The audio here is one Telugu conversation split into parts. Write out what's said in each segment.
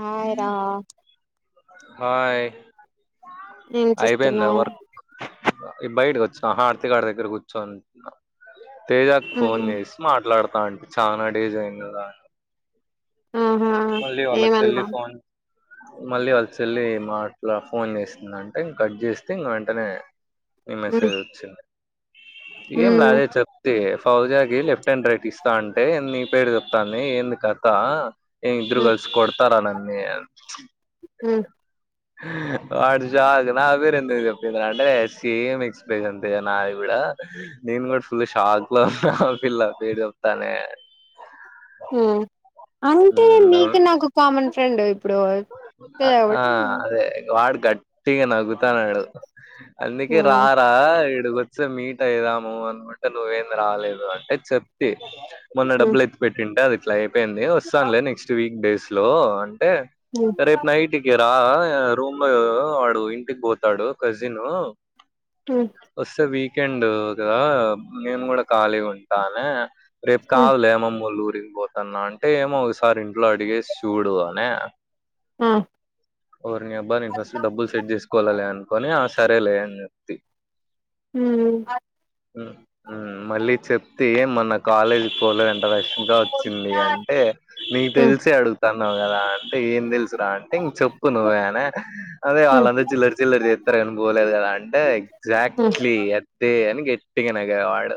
హాయ్ రా హాయ్ ఏం చేస్తున్నావ్ ఈ బయటకి వచ్చా హార్తికాడి దగ్గర కూర్చోన్నా తేజాకు ఫోన్ హ్మ్ చేసి మాట్లాడుతా అంటడి చాలనాా డేజ్ అయిందిదా ఆహా మళ్ళీ వాళ్ళ చెల్లి ఏమన్నా ఫోన్ మళ్ళీ వాళ్ళ చెల్లి మాట్లా ఫోన్ చేసిందంటే కట్ చేస్తే ఇంక వెంటనే హ్మ్ మెసేజ్ వచ్చింది ఏం లా హ్మ్ ఆదె చెప్తే ఫౌజాకి లెఫ్ట్ అండ్ రైట్ ఇస్తా అంటే నీ పేరు చెప్తాంది ఏంది కథ ఏ ఇద్దరు హ్మ్ కలిసి కొడతారా నన్నీ ఆ వాడు షాక్ నా పేరు ఎందుకు చెప్పిన్దంటే సేమ్ ఎక్స్పీరియన్స్ నాది కూడా నన్ కూడా ఫుల్ షాక్ ఉన్న ఓ పిల్ల పేరు జేప్తనేే ఉ అంటే ఉమ్ మీకు నవ్వు- నాకు కామన్ ఫ్రెండ్ ఇప్పుడు ఆ ఆ కాబట్టి అదే వాడు గట్టిగా నగుతాన్నాడు అందుకే హ్మ్ రారా ఇక వచ్చే మీట్ అయిదాము అన అంటే నువ్వేం రాలేదు అంటే చెప్తి మొన్న హ్మ్ డబ్బులు ఎత్తి పెట్టింటే అది ఇట్లా అయిపోయింది వస్తానులే నెక్స్ట్ వీక్ డేస్ లో అంటే హ్మ్ రేపు నైట్ కి జెప్ రా రూమ్ లో వాడు ఇంటికి పోతాడు కజిను హ్మ్ వస్తె వీక్ వీకెండ్ కదా నేను కూడా ఖాళీ ఉంటానే రేపు హ్మ్ కావాల అమ్మమ్మ వాళ్లూరు అడిగిపోతున్నా అంటే ఏమో ఒకసారి ఇంట్లో అడిగేసి చూడు అనే ఆ ఓరిని అబ్బా నేను ఫస్ట్ డబ్బులు సెట్ చేసుకోవాల్లలే అనుకొని ఆ సరేలే అని చెప్తి హ్మ్ అత్ హ్మ్ హ్మ్ మళ్ళీ చెప్తే ఏం మొన్న కాలేజీకి పోలే అ రష్మిక వచ్చింది అంటే నీకు హ్మ్ తెలిసి అడుగుతాన్నావు కదా అన్ అంటే ఏం తెలుసురా అంటే ఇంక చెప్పు ఊరుకో ఉండువయ్య అదే హ్మ్ వాళ్ళంత చిల్లర చిల్లర చేత్తారు అని పోలేదు కదా అంటే హ్మ్ హ్మ్ ఎక్సాట్లీ ఎక్సట్లీ అని గట్టిగా నగ్య వాడు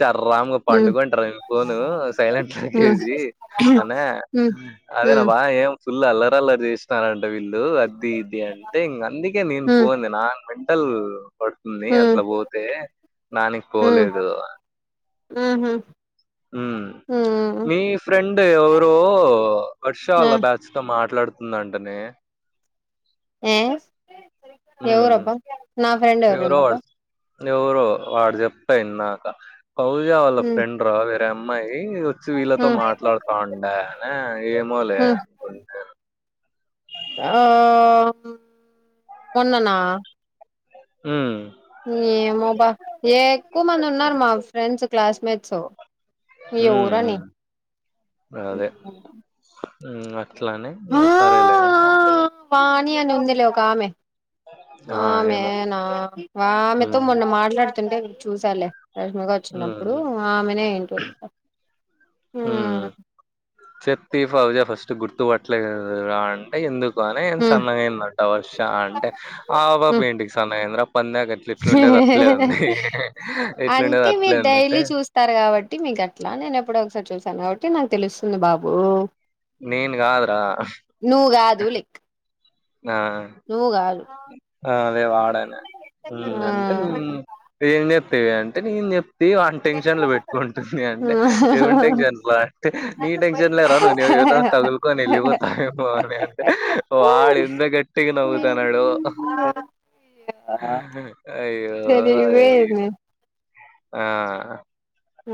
చర్రామ్గా హ్మ్ పండుగోయింటారు అంటారును ఫోను సైలెంట్ హ్మ్ లేకేసి అన్య హ్మ్ అదేనబ్బా ఏం ఫుల్ అల్లరల్లరి చేస్తున్నారంట వీళ్ళు అది ఇది అంటే ఇంక అందుకే నేను పోంది నాన్ అసలు పడుతుంది హ్మ్ హ్మ్ అట్లా పోతే దానికి పోలేదు హ్మ్ హు హ్మ్ మీ ఫ్రెండ్ ఎవరో వర్ష ఆ వాళ్ళ బ్యాచ్ తో మాట్లాడుత మాట్లాడుతుందటనే హ్మ్ ఏ హ్మ్. ఎవరబ్బా నా ఫ్రెండ్ ఎవరు ఎవరో ఉందబ్బా వాడు ఎవరో వాడు చెప్పా ఇందాక పౌజా వాళ్ళ హ్మ్ ఫ్రెండ్ రా వేరే అమ్మాయి వచ్చి వీళ్ళతో హ్మ్ మాట్లాడుతా ఉండ అన ఏమో లే హ్మ్ అనుకుంటే ఆ మొన్ననా హ్మ్ ఏమో బా ఏక్కువ మంది ఉన్నారు మా ఫ్రెండ్స్ క్లాస్మేట్స్ ఎవరని హ్మ్ అదే హ్మ్ అట్లానే సరేలే పావని అని ఉందిలే ఒకామే ఆ! ఏమో. ఆమెనా ఆమెతో హ్మ్. మొన్న మాట్లాడుతుంటే చూసాలే రష్మక వచ్చినప్పుడు హ్మ్. ఆమెనే ఏంట్రీ హ్మ్ చెప్తి ఫౌజా ఫస్ట్ గుర్తు పట్టలేదురా అంటే ఎందుకు బానే హ్మ్ సన్నగాయిందంట వర్ష అంటే ఆ హ్మ్ పాప ఏంటికి సన్నగా అయిందిరా పందకట్లా ఏట్లుండేది అట్లేఉంది ఎట్లాఉండేది అంటే అట్లే ఉంది అంటే గట్లా నేను ఎప్పుడో ఒకసారి చూసాను కాబట్టి నాకు తెలుస్తుంది బాబు నేన్ కాదురా నువ్వు కాదు లైక్ ఆ నువ్వు కాదు ఆ అదే వాడనే ఆ అంటే ఏం చెత్తా టే అంటే నేను చెప్తి ఆన్ టెన్షన్ లో పెట్టుకుంటుంది అంటే ఏవని టెన్షన్ లో అంటే నీ టెన్షన్ లే రా నువ్ ఎవర్నన్న తగులుకొని వెళ్ళిపోతావేమో అని అంటే వాడు ఎంత గట్టిగా నవ్వుతన్నాడో హా అయ్యో అయ్యో సరిపోయింది ఆ ఆ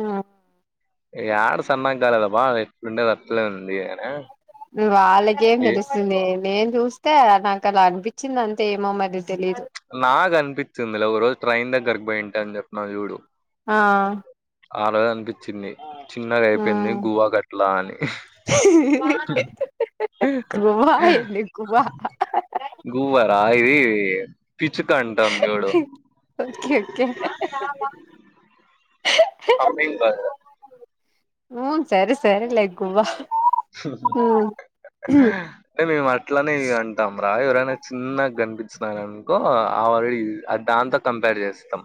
యాడ సన్న కాలేదు అప్పా అది ఎట్లా ఉండేది అట్లే ఉంది అనా, వాళ్ళగేం ఏ తెలుస్తుంది నేను చూస్తే నాకు అలా అనిపించింది అంతే ఏమో మరి తెలీదు నాకు అనిపిత్తుందిలే ఒక రోజు ట్రైన్ దగ్గరకి పోయింటి అని చెప్పినావ్ చూడు ఆ ఆ రోజు అనిపించింది చిన్నగా అయిపోయింది గువ్వా గట్లా అని ఆ! గువా ఏంది గువా గువ్వా రాయి ఓకే ఓకే పమ్మింగ్ [unintelligible] ఉను సరే సరేలే గువ్వా హ అ మేము అట్లనే ఇగ అంటాం రా ఎవరైనా చిన్నగా కనిపించినారు అనుకో ఆల్రెడీ అ దాంతో కంపేర్ చేస్తాం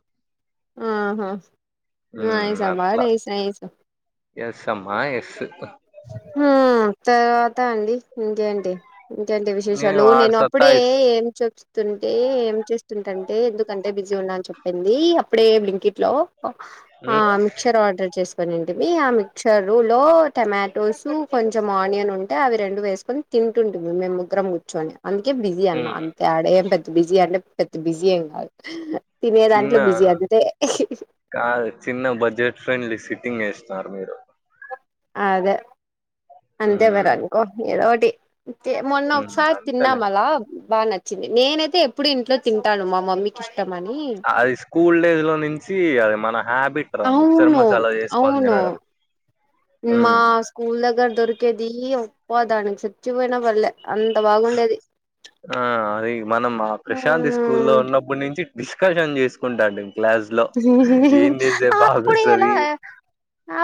ఆహ నైస్ అబ్బా నైస్ నైస్ ఎస్ అమ్మా ఎస్ హ తర్వాత అండి ఇంకేంటి ఇంకంటి విశేషాలు ఆడు నేను అప్పుడే సత్తాయిస్ ఏం చెప్తుంటి ఏం చేస్తుంటంటే ఎందుకంటే బి బిజిగున్నాని చెప్పింది అప్పుడే బ్లింకిట్ లో మ్మ్ మిక్చర్ ఆర్డర్ చేసుకొనింటిమి ఆ మిక్చరులో టమాటోస్ కొంచెం ఆనియన్ ఉంటే అవి రెండు వేసుకొని తింటుటుమీ మేము ముగ్గురం కూర్చొని అందుకే బిజీ అన్న మ్మ్ అంతే ఆడ ఏం పెద్దా బిజీ అంటే పెద్దా బిజీ ఏం కాదు తినే చిన్న దాంట్లో బిజీ అంతే కాదు చిన్న బడ్జెట్ ఫ్రెండ్లీ సిట్టింగ్ వేస్తన్నారు మీరు అదే అంతే మరి మ్మ్ అనుకో ఏదోటి మొన్న మ్మ్ ఒకసారి అంతేలే తిన్నాం అలా బన్నాయి వచ్చింది నేనైతే ఎప్పుడు ఇంట్లో తింటాను మా మమ్మీకి ఇష్టమని అది స్కూల్ డేస్ లో నుంచి అది మన హ్యాబిట్ రా మిక్చర్ అవును మసాలా చేసుకోని అవును తినడం మా మ్మ్ స్కూల్ దగ్గర దొరికేది ఒప్ప దానికి చచ్చిపోయినా పర్లే అంత బాగుండేది ఆ అది మనం ఆ ప్రశాంత్ స్కూల్ లో మ్మ్. ఉన్నప్పుటి నుంచి డిస్కషన్ చేసుకుంటాటీమి అప్పుడే ఎలా బాగొస్తది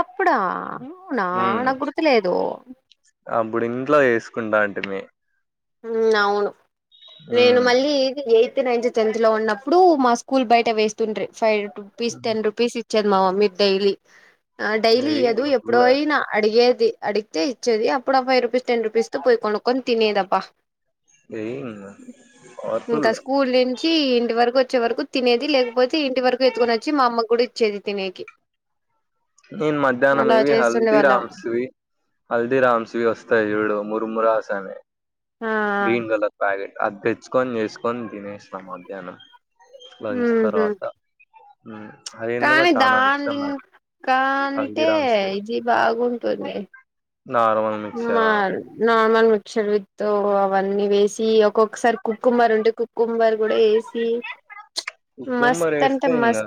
అప్పుడా అవునా మ్మ్ నాకు గుర్తులేదు అప్పుడు ఇంట్లో చేసుకుంటటిమి ఉ అవును నేను మళ్ళీ ఎయి తే నైన్త్ టెన్త్ లో ఉన్నప్పుడు మా స్కూల్ బయట వేస్తుండ్ర్రి ఫైవ్ రూపీస్ టెన్ రుపీస్ ఇచ్చేది మా మమ్మీ డైలీ డైలీ ఏయ్ ఇయదు ఇంగ ఎప్పుడో ఫుల్ అయినా అడిగేది అడిగితే ఇచ్చేది అప్పుడు ఆ ఫైవ్ రూపీస్ టెన్ రూపీస్ తో పోయి కొనుక్కొని తినేది అబ్బా ఊ వతుల్ చ్చి ఇంటి వరకు వచ్చే వరకు తినేది లేకపోతే ఇంటి వరకు ఎత్తుకొని వచ్చి మా అమ్మ కూడా ఇచ్చేది తినేకి నేను మధ్యాహ్నం అలా ఇవి చేస్తుండే హల్దీ వాళ్ళం రామ్స్ వి హాల్దిరామ్స్ వి వస్తాయి చూడు మురు మురాస్ ఆ గ్రీన్ కలర్ ప్యాకెట్ అది తెచ్చుకొని చేసుకొని తినేసిన మధ్యాహ్నం లంచ్ ఉహు తర్వాత అది ఎందుకో చానా ఇష్టం నాకు కా అంటే హల్దీరామ్స్వి ఇది బాగుంటుంది నార్మల్ మా మిక్చర్ నార్మల్ సేరివిత్ తొ అవన్నీ వేసి ఒక్కొక్కసారి కుక్కుంబర్ ఉంటే కుక్కుంబర్ కూడా యేసి కుక్కుంబర్ వేస్తే ఇంకా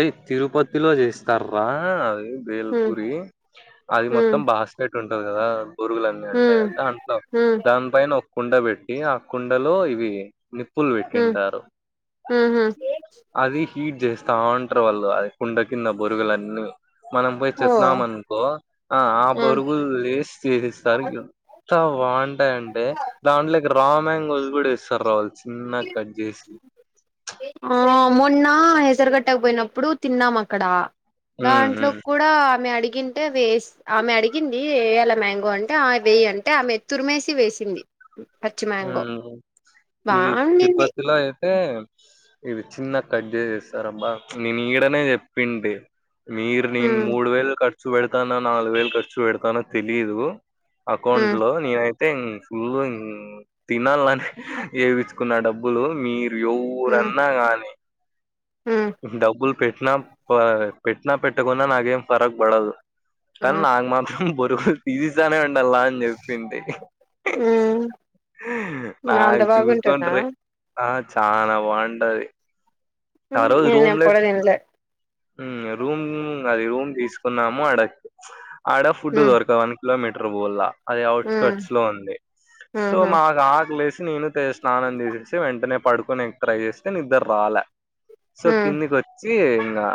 ఏ తిరుపతిలో చేస్తారు ఆ అది బేల్ ఉ పూరి అది ఉ మొత్తం బాస్కెట్ ఉంటుంది కదా పురుగులు అన్నీ ఉంటాయి హ్మ్ కదా దాంట్లో హ్మ్ దాని పైన ఒక కుండ పెట్టి ఆ కుండలో ఇవి నిప్పులు హ్మ్ పెట్టింటారు ఊహూ అది హీట్ చేస్తా ఉంటారు వాళ్ళు అది కుండ కింద బొరుగులన్నీ మనం పోయి ఓ చెప్నామనుకో ఆ ఆ హ్మ్ బోరుగులు వేసి చేసిస్తారు ఎంత బాగుంటాయి అంటే దాంట్లోకి రామ్ [unintelligible] అవి కూడా వేస్తారు రా చిన్నగా కట్ చేసి ఆ మొన్న హేసరుగట్టకు పోయినప్పుడు తిన్నాం అక్కడ ఉమ్ ఉమ్ దాంట్లోకి కూడా ఆమె అడిగి అడిగింటే వేస్ ఆమె అడిగింది ఏయ్యాల మ్యాంగో అంటే ఆమె వేయ్య్ అంటే ఆమె తురిమేసి వేసింది పచ్చి మ్యాంగో మ్మ్ ఇది బావుండింది తిరుపతిలో అయితే ఇది చిన్నగా కట్ చేసిస్తారబ్బా నేను ఈడనే చెప్పింది మీరు నేను హ్మ్ మూడు వేలు ఖర్చు పెడతానో నాలుగు వేలు ఖర్చు పెడతానో తెలీదు అకౌంట్ హ్మ్ లో నేనైతే ఇ ఫుల్ తినాలని యేపించుకున్న డబ్బులు మీరు హ్మ్ ఎవరన్నా గానీ హ్మ్ డబ్బులు పెట్టిన పా పెట్టకున్న నాకేం తరుగు పడదు కాని హ్మ్ నాకు మాత్రం బొరుగులు తిసిస్తానే ఉ నల్ల అని చెప్పింది హ్మ్ అంత నాకు బాగుంటుందా చూసుకొండ్రి ఆ చాల బాగుంటది నిను ఎప్పుడు తినలే మ్మ్ రూమ్ అది రూమ్ తీసుకున్నాము అడక్ ఆడ ఫుడ్ హ్మ్ దొరకవు వన్ కిలోమీటర్ పొవల్ల అది అవుట్స్ హ్మ్ కట్స్ లో ఉంది సో ఊహూ మాకు ఆకలి యేసి నేను స్నానం తీసేసి వెంటనే పడుకునేకి ట్రై చేస్తే నిద్దర రాలే సో హ్మ్ కిందికి వచ్చి ఇంగా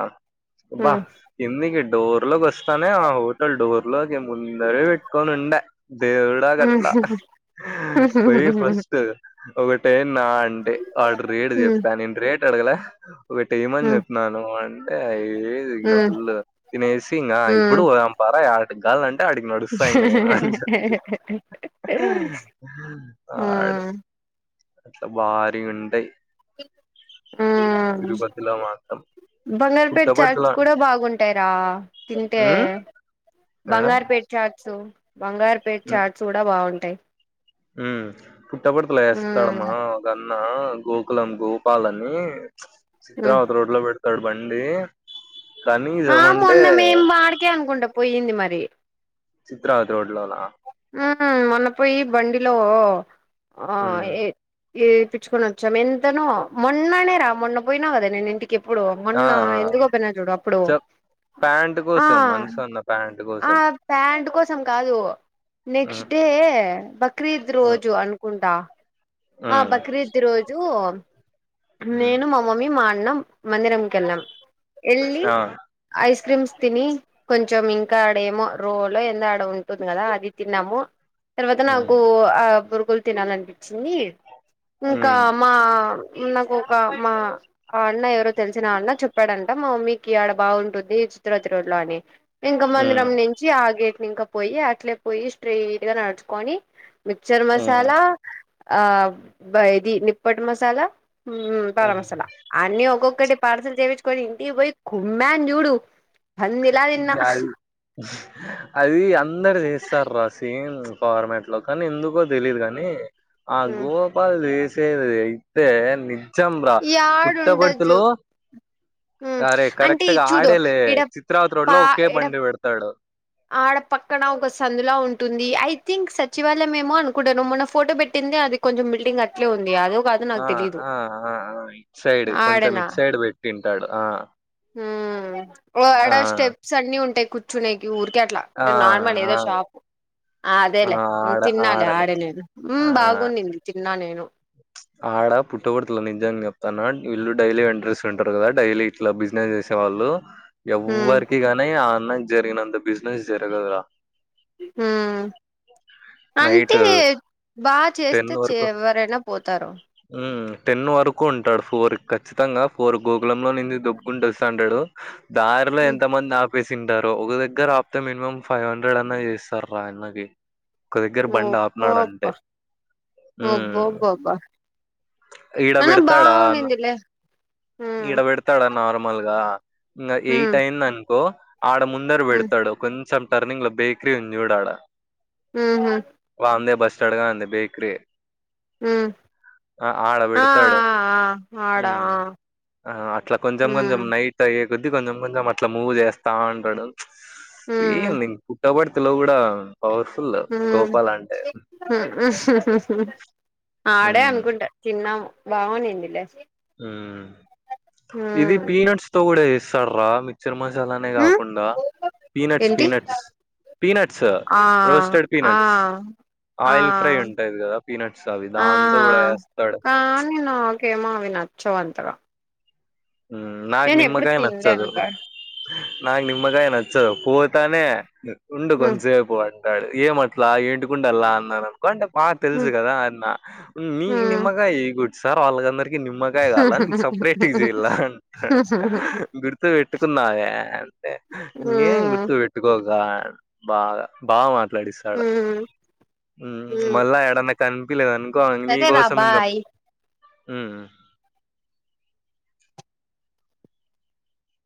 బా హ్మ్ కిందికి డోర్ లోకి వస్తానే ఆ హోటల్ డోర్ లోకే ముందరే పెట్టుకొని ఉండే దేవుడా హ్మ్. కట్లా పొయ్యి ఫస్ట్ ఒకటి ఏయాన్న అంటి వాడు రేటు హ్మ్. హ్మ్. చెప్పా నేను రేట్ అడగల ఒకటి ఏమని హ్మ్. చెప్పినాను అంటే అ లేదు ఇంగా ఫుల్ తినేసి ఇంకా ఇప్పుడు హ్మ్. పొదాం పార యాటికి కావలంటే అటికి నడుస్తా ఇంగా అని చెప్తి ఆడు హ్మ్. అట్లా బారిగా ఉంటాయి ముక్కుందా ఆ తిరుపతిలో మాత్రం బంగారు పేట్స్ పుట్టపర్తిలో చాట్స్ కూడా బాగుంటాయిరా తింటే ఉమ్ యాడ బంగారు పేట్ చాట్స్ బంగారు పేట్ చాట్స్ కూడా బాగుంటాయ్ మ్మ్ పుట్టపర్తి లో చేస్తారు మా గన్ గోకులం గోపాల్ అని సిత్రావతి రోడ్ లో పెడు తొడు బండి ఆ కనీసం అంటే మొన్న మేం అడికే అనుకుంటా పోయింది మరి చిత్రావతి రోడ్ లోనా ఆ మొన్న పోయి బండిలో ఆ ఉమ్ ఏ ఇప్పిచ్చుకొని వచ్చాం ఎంతనో మొన్ననే రా మొన్న పోయినా కదా నేను ఇంటికి ఎప్పుడు ఆ మొన్న ఆ ఎందుకోపోయినా చూడు అప్పుడు చెప్ ప్యాంట్ ఆ కోసం మనసు అన్న ప్యాంట్ ఆ కోసం ప్యాంట్ కోసం కాదు ఉమ్ నెక్స్ట్ డే బక్రీద్ ఉమ్ రోజు అనుకుంటా ఆ ఉమ్ బక్రీద్ రోజు ఉమ్ నేను మా మమ్మీ మా అన్న మందిరంకి వెళ్ళాం వెళ్ళి ఆ ఐస్ క్రీమ్స్ తిని కొంచెం ఇంకా ఆడ ఏమో రోలో ఎందో ఆడ ఉంటుంది కదా అది తిన్నాము తర్వాత నాకు ఉమ్ ఆ బోరుగులు తినాలనిపించింది ఇంకా ఉమ్ మా నాకు ఒక మా ఆ అన్న ఎవరో తెలిసిన అన్న చెప్పాడంట మా మమ్మీకి ఆడ బాగుంటుది చిత్రావతి రోడ్ లో అని ఇంకా ఉమ్ మందిరం నుంచి ఆ గేట్ ఇంకా పోయి అట్లే పోయి స్ట్రెయిట్ గా నడుచుకొని మిక్సర్ ఉమ్ మసాలా ఆ ఇది నిప్పట్ మసాలా భార ఉమ్ మసాల అన్ని ఒక్కొకటి పార్సల్ చేపిచ్చు కొని ఇంటి పోయి కుుమ్మన్ చూడు పందిలా తిన్నా యది అది అందరు చేస్తారు రాసి ఫార్మాట్ లో కానీ ఎందుకో తెలీదు కానీ ఆ గోపాల్ అయితే నిజం రా పుట్టపర్తి యాడుండొచ్చు లో సరే అంటే కరెక్ట్గా చూడు ఆడేలే ఇడ చిత్రవతి పా రోడ్లో కేే ఇడ బండి పెడతాడు ఆడ పక్కన ఒక సందులా ఉంటుంది ఐ థింక్ సచివాలయయం ఏమో అనుకుంటాను మొన్న ఫోటో పెట్టి ంది అది కొంచెం బిల్డింగ్ అట్లే ఉంది అదు ఆ ఆ ఆ ఇట్ సైడ్ కొంచెం ఇట్ సైడ్ పెట్టింటాడు ఆ హ ఆ! ఆడా స్టెప్స్ అన్ని ఉంటాయి కూర్చునేకి ఊరు అట్లా ఆ! అంటే నార్మల్ ఆ! ఏదో షాపు ఆ అదేలే ఆడ తిన్నాలే ఆడనే. ఆడేలె ఆ! హ్మ్మ్ బాగుంది తిన్నా నేను ఆడ పుట్టపర్తి లో నిజాంగా చెప్తను వీళ్ళు డైలీ ఇంట్రెస్ట్ ఉంటారు కదా డైలీ ఇట్లా బిజినెస్ చేసే వాళ్ళు ఉమ్ ఎవ్వరికి గానీ ఆ అన్నకి జరిగినంత బిజినెస్ జరగదురా హ నైట్ అంటే బాగా చేస్తే ఎవరైనా పోతారు టెన్ వరకు ఉంటాడు ఫోర్ ఖచ్చితంగా ఫోర్ గోకులంలో నింది దొగ్గుకుంట వస్తా అంటాడు దారిలో ఎంత మంది నాకు వేసింటారు ఒక దగ్గర ఆపితే మినిమం ఫైవ్ హండ్రెడ్ అన్నా చేస్తారు మా అన్నకి ఒక దగ్గర బండి ఆపినాడంటే ఒబ్బోబ్బ హ్మ్మ్ బబా ఇడబెడతాడా అన్న ఉమ్ ఇడబెడతాడా నార్మల్ గా ఇంకా ఎయిట్ ఉమ్ అయిందనుకో ఆడ ముందర ఉమ్ పెడతాడు కొంచెం టర్నింగ్ లో బేకరీ ఉంది చూడు అడా హ్మ్ హ్మ్మ్ చడగా అంది బేక్రీ హ్మ్మ్ ఆ ఆడబడతాడు ఆడ ఆ ఆ అట్లా ఊ కొంచెం కొంచెం నైట్ అయ కొద్దిీ కొంచెం కొంచెం అట్లా మూవ్ చేస్తా ఉంటాడు ఊ ఏం పుట్టబడి ఇ లో కూడా పవర్ఫుల్ గోపాల్ అంటే ఆడే ఉమ్ అనుకుంటాడు చిన్న బావన ఉడిల్ ఇది పీనట్స్ తో కూడా ఇస్తాడ రా చిరు మసాలానే ఊ కాకుండా పీనట్స్ ఏంటి పీనట్స్ పీనట్స్, ఆ రోస్టెడ్ ఆ పీనట్స్. ఆ ఆయిల్ ఫ్రై ఉంటాది గదా పీనట్స్, అవి ఆ దాంతో గుడా ఎస్తాడు. కానీ నాకేమో అవి నచ్చంతగా. ఉమ్, నాక్ నిమ్మకాయ్ తినలేను నచ్చదు. గా నాక్ నిమ్మకాయ నచ్చదు, పోతనే ఉండు ఊ కొంచసేపు అంటాడు. ఏమట్లా ఏంటికుండాల అన్నారు కొంటే బాగా ఊ తెలుసు కదా అన్న. మీ ఊ నిమ్మగాయ్ ఆ గుడ్ సార్ ఆళ్ళందరికి ఈ నిమ్మకాయ కాల నీక్ సపరేట్ తీస్ ఇలా అంటాడు. గుర్తు పెట్టుకున్నావే అంటే ఊ ఇకేం గుర్తు పెట్టుకో వాడ్ బాగా, బాగా ఊ మాట్లాడిస్తాడు. ఊ ఉమ్మ్ మళ్ళా ఎడన్నా కనిపిలేదనుకో ఇంగా నీ సరే రా కోసం ఇంగా, బాయ్ ఉమ్మ్